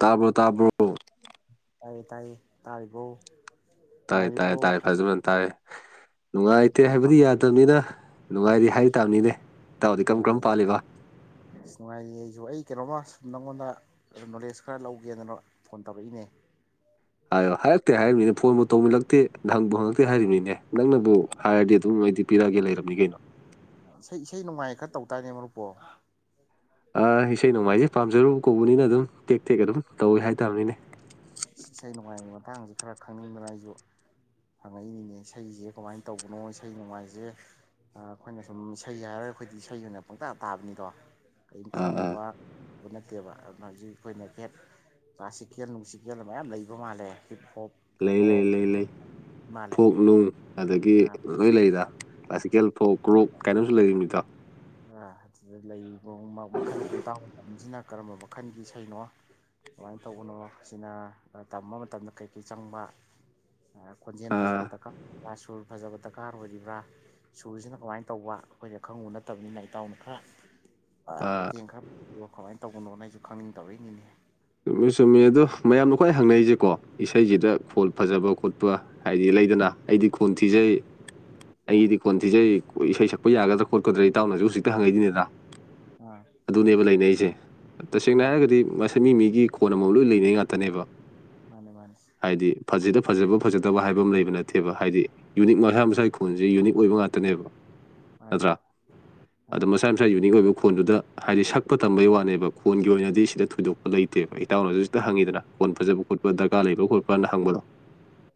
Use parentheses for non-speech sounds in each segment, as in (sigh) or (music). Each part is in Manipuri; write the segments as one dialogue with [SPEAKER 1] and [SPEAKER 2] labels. [SPEAKER 1] ꯇꯥꯕ꯭ꯔꯣ ꯇꯥꯕ꯭ꯔꯣ
[SPEAKER 2] ꯇꯥꯌꯦ ꯇꯥꯏꯌꯦ ꯇꯥꯥꯏꯕꯣ
[SPEAKER 1] ꯇꯥꯏꯌꯦ ꯇꯥꯏꯌꯦ ꯇꯥꯏꯌꯦ ꯐꯖꯃꯅ ꯇꯥꯏꯌꯦ ꯅꯨꯡꯉꯥꯏꯇꯦ
[SPEAKER 2] ꯀꯔꯝ ꯄꯥ
[SPEAKER 1] ꯍꯥꯏꯕꯗꯤ ꯌꯥꯗꯝꯅꯤꯅ ꯅꯨꯡꯉꯥꯏꯔꯤ ꯍꯥꯏ ꯇꯥꯝꯅꯤꯅꯦ ꯏꯇꯥꯎꯗꯤ ꯀꯝ ꯀ꯭ꯔꯝ
[SPEAKER 2] ꯅꯨꯡꯉꯥꯏꯔꯤ
[SPEAKER 1] ꯄꯥꯜꯂꯤꯕ
[SPEAKER 2] ꯑꯁ ꯅꯨꯡꯉꯥꯏꯔꯤ ꯑꯩꯖꯨ ꯑꯩ ꯀꯩꯅꯣꯝꯃ ꯁꯨꯝ ꯅꯪꯉꯣꯟꯗ ꯅꯣꯂꯦꯖ ꯈꯔ ꯂꯧꯒꯦꯗꯅ ꯐꯣꯟ ꯇꯧꯔꯛꯏꯅꯦ
[SPEAKER 1] ꯍꯥꯏꯌꯣ ꯍꯥꯏꯔꯛꯇꯦ ꯍꯥꯏꯔꯤꯝꯃꯤꯅꯦ ꯐꯣꯟꯕꯨ ꯇꯧꯃꯜꯂꯛꯇꯦ ꯍꯪꯕꯨ ꯍꯪꯉꯛꯇꯦ ꯍꯥꯏꯔꯤꯝꯃꯤꯅꯦ ꯅꯪꯅꯕꯨ ꯍꯥꯏꯔꯗꯤ ꯑꯗꯨꯝ ꯑꯩꯗꯤ ꯄꯤꯔꯒꯦ ꯂꯩꯔꯝꯅꯤ ꯀꯩꯅꯣ
[SPEAKER 2] ꯏꯁꯩ ꯏꯁꯩ ꯅꯨꯡꯃꯥꯏ ꯈꯔ ꯇꯧ ꯇꯥꯏꯅꯦ ꯃꯔꯨꯞꯄꯣ
[SPEAKER 1] ꯑ ꯏꯁꯩ ꯅꯣꯡꯃꯥꯏꯖꯦ ꯄꯥꯝꯖꯔꯨꯕ ꯀꯧꯕꯅꯤꯅ ꯑꯗꯨꯝ ꯇꯦꯛ ꯇꯦꯛ ꯑꯗꯨꯝ ꯇꯧꯏ ꯍꯥꯏꯇꯥꯥꯝꯅꯤꯅꯦ
[SPEAKER 2] ꯏꯁꯩ ꯅꯣꯡꯃꯥꯏꯒꯤ ꯃꯇꯥꯡꯖꯤ ꯈꯔ ꯈꯪꯅꯤꯡꯗꯅ ꯑꯩꯖꯨ ꯍꯪꯉꯛꯏꯅꯤꯅꯦ ꯏꯁꯩꯖꯦ ꯀꯃꯥꯏ ꯇꯧꯕꯅꯣ ꯏꯁꯩ ꯅꯣꯡꯃꯥꯏꯖꯦ ꯑ ꯑꯈꯣꯏꯅ ꯁꯨꯝ ꯁꯩ ꯍꯥꯏꯔꯒ ꯈꯣꯏꯗꯤ ꯁꯩ ꯑꯣꯏꯅ ꯄꯪꯇꯥ ꯇꯥꯕꯅꯤꯗꯣ ꯀꯩꯝ
[SPEAKER 1] ꯑꯥ ꯑꯥ
[SPEAKER 2] (unintelligible) ꯇꯦꯕ ꯑꯗꯨꯅ ꯍꯩꯖꯤ ꯈꯣꯏꯅ ꯍꯦꯠ ꯀ꯭ꯂꯥꯁꯤꯀꯦꯜ ꯅꯨꯡꯁꯤꯀꯦꯜ ꯃꯌꯥꯝ ꯂꯩꯕ ꯃꯥꯜꯂꯦ ꯍꯤꯞ ꯍꯣꯞ
[SPEAKER 1] ꯂꯩ ꯂꯩ ꯂꯩ ꯂꯩ
[SPEAKER 2] (unintelligible) ꯃꯥꯜꯂꯦ
[SPEAKER 1] ꯐꯣꯛ ꯅꯨꯡ ꯑꯗꯒꯤ ꯂꯣꯏ ꯂꯩꯗ ꯀ꯭ꯂꯥꯁꯤꯀꯦꯜ ꯐꯣꯛ ꯒ꯭ꯔꯨꯞ ꯀꯥꯏꯅ ꯑꯝꯖꯨ ꯂꯩꯔꯤꯝꯃꯤꯗꯣ
[SPEAKER 2] ꯑ ꯑꯗꯨꯗ ꯂꯩꯕ ꯃ ꯃꯈꯜꯖꯤꯗ ꯏꯇꯥꯎꯅ ꯇꯝꯃꯤꯖꯤꯅ ꯀꯔꯝꯕ ꯃꯈꯜꯒꯤ ꯁꯩꯅꯣ ꯀꯃꯥꯏ ꯇꯧꯕꯅꯣ ꯁꯤꯅ ꯑ ꯇꯝꯕ ꯃꯇꯝꯗ ꯀꯩꯀꯩ ꯆꯪꯕ ꯑ ꯈꯣꯟꯖꯦꯜ
[SPEAKER 1] ꯑꯥ
[SPEAKER 2] ꯐꯖꯕ (unintelligible) ꯐꯖꯕ ꯗꯀꯥꯔ ꯑꯣꯏꯔꯤꯕ꯭ꯔꯥ ꯁꯨꯔꯖꯤꯅ ꯀꯃꯥꯏꯟ ꯇꯧꯕ ꯑꯩꯈꯣꯏꯅ ꯈꯪꯉꯨ ꯅꯠ ꯇꯝꯅꯤꯅ ꯏꯇꯥꯎꯅ ꯈꯔ ꯑ
[SPEAKER 1] ꯑꯥ
[SPEAKER 2] ꯃꯇꯦꯡ ꯈꯔ (unintelligible) ꯀꯃꯥꯏꯟ ꯇꯧꯕꯅꯣꯅ ꯑꯩꯖꯨ ꯈꯪꯅꯤꯡ ꯇꯧꯔꯛꯏꯅꯤꯅꯦ
[SPEAKER 1] ꯆꯨꯝꯃꯤ ꯆꯨꯝꯃꯤ ꯑꯗꯣ ꯃꯌꯥꯝꯅ ꯈ꯭ꯋꯥꯏ ꯍꯪꯅꯩꯖꯦꯀꯣ ꯏꯁꯩꯖꯤꯗ ꯈꯣꯜ ꯐꯖꯕ ꯈꯣꯠꯄ ꯍꯥꯏꯗꯤ ꯂꯩꯗꯅ ꯑꯩꯗꯤ ꯈꯣꯟ ꯊꯤꯖꯩ ꯑꯩꯒꯤꯗꯤ ꯈꯣꯟ ꯊꯤꯖꯩ ꯏꯁꯩ ꯁꯛꯄ ꯌꯥꯒꯗ꯭ꯔ ꯈꯣꯠꯀꯗ꯭ꯔꯥ ꯏꯇꯥꯎꯅꯖꯨ ꯍꯨꯖꯤꯛꯇ ꯍꯪꯉꯛꯏꯅꯤꯅꯤꯅ
[SPEAKER 2] ꯑ
[SPEAKER 1] ꯑꯗꯨꯅꯦꯕ ꯂꯩꯅꯩꯁꯦ ꯇꯁꯦꯡꯅ ꯍꯥꯏꯔꯒꯗꯤ ꯃꯁꯦ ꯃꯤ ꯃꯤꯒꯤ ꯈꯣꯟ ꯑꯃꯝ ꯑꯃꯝ ꯂꯣꯏ ꯂꯩꯅꯩ ꯉꯥꯛꯇꯅꯦꯕ
[SPEAKER 2] ꯃꯟꯅꯦ ꯃꯟꯅꯦ
[SPEAKER 1] ꯍꯥꯏꯗꯤ ꯐꯖꯗ ꯐꯖꯕ ꯐꯖꯗꯕ ꯍꯥꯏꯕ ꯑꯃ ꯂꯩꯕ ꯅꯠꯇꯦꯕ ꯍꯥꯏꯗꯤ ꯌꯨꯅꯤꯛ ꯃꯁꯥ ꯃꯁꯥꯒꯤ ꯈꯨꯣꯟꯁꯦ ꯌꯨꯅꯤꯛ ꯑꯣꯏꯕ ꯉꯥꯛꯇꯅꯦꯕ
[SPEAKER 2] ꯍꯣꯏ
[SPEAKER 1] ꯑꯗꯣ ꯃꯁꯥ ꯃꯁꯥ ꯌꯨꯅꯤꯛ ꯑꯣꯏꯕ ꯈꯣꯟꯗꯨꯗ ꯍꯥꯏꯗꯤ ꯁꯛꯄ ꯇꯝꯕꯩ ꯋꯥꯅꯦꯕ ꯈꯣꯟꯒꯤ ꯑꯣꯏꯅꯗꯤ ꯁꯤꯗ ꯊꯣꯏꯗꯣꯛ ꯂꯩꯇꯦꯕ ꯏꯇꯥꯎꯅ ꯍꯧꯁꯨꯖꯤꯛꯇ ꯍꯪꯏꯗꯅ ꯈꯣꯟꯐꯖꯕ ꯈꯣꯠꯄ ꯗꯔꯀꯥꯔ ꯂꯩꯕ꯭ꯔꯥ ꯈꯣꯠꯄ꯭ꯔꯅ ꯍꯪꯕꯗꯣ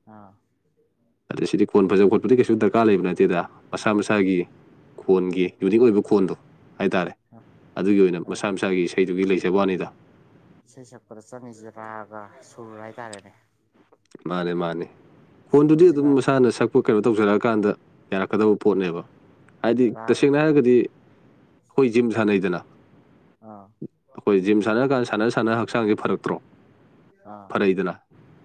[SPEAKER 2] ꯑꯥ
[SPEAKER 1] ꯑꯗ ꯁꯤꯗꯤ ꯈꯣꯟ ꯐꯖꯕ ꯈꯣꯠꯄꯗꯤ ꯀꯩꯁꯨ ꯗꯔꯀꯥꯔ ꯂꯩꯕ ꯅꯠꯇꯦꯗ ꯃꯁꯥ ꯃꯁꯥꯒꯤ ꯈꯣꯟꯒꯤ ꯌꯨꯅꯤꯛ ꯑꯣꯏꯕ ꯈꯣꯟꯗꯣ ꯍꯥꯏꯇꯥꯔꯦ ꯑꯗꯨꯒꯤ ꯑꯣꯏꯅ
[SPEAKER 2] ꯑꯥ
[SPEAKER 1] ꯃꯁꯥ ꯃꯁꯥꯒꯤ ꯏꯁꯩꯗꯨꯒꯤ ꯂꯩꯖꯕꯋꯥꯅꯤꯗ
[SPEAKER 2] ꯏꯁꯩ ꯁꯛꯄꯗ ꯆꯪꯉꯏꯁꯦ ꯔꯥꯒ ꯁꯨꯔ ꯍꯥꯏꯇꯥꯔꯦꯅꯦ
[SPEAKER 1] ꯃꯥꯅꯦ ꯃꯥꯅꯦ ꯈꯣꯟꯗꯨꯗꯤ ꯑꯗꯨꯝ
[SPEAKER 2] ꯁꯨꯔꯁꯤꯅ
[SPEAKER 1] ꯃꯁꯥꯅ ꯁꯛ ꯀꯩꯅꯣ ꯇꯧꯖꯔꯛꯑꯀꯥꯟꯗ ꯌꯥꯔꯛꯀꯗꯕ ꯄꯣꯠꯅꯦꯕ ꯍꯥꯏꯗꯤ
[SPEAKER 2] ꯔꯥꯒ
[SPEAKER 1] ꯇꯁꯦꯡꯅ ꯍꯥꯏꯔꯒꯗꯤ ꯈꯣꯏ ꯖꯤꯝ ꯁꯥꯟꯅꯩꯗꯅ
[SPEAKER 2] ꯑꯥ
[SPEAKER 1] ꯑꯩꯈꯣꯏ ꯖꯤꯝ ꯁꯥꯟꯅꯔ ꯀꯥꯟꯗ ꯁꯥꯟꯅ ꯁꯥꯟꯅ ꯍꯛꯆꯥꯡꯁꯦ ꯐꯔꯛꯇ꯭ꯔꯣ
[SPEAKER 2] ꯑꯥ
[SPEAKER 1] ꯐꯔꯛꯏꯗꯅ